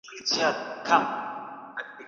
افغانانو د خپلواکۍ لپاره د غرونو پټ لارې وکارولې.